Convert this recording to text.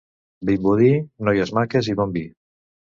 Vimbodí: noies maques i bon vi.